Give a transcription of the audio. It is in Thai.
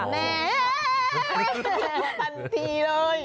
ทันทีเลย